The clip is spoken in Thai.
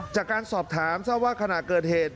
จากการสอบถามทราบว่าขณะเกิดเหตุ